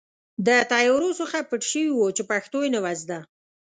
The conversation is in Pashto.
د طیارو څخه پټ شوي وو چې پښتو یې نه وه زده.